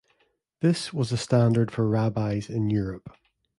This was a standard for Rabbis in Europe.